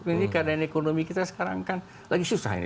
ini keadaan ekonomi kita sekarang kan lagi susah ini